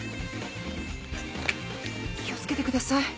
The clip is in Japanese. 気を付けてください。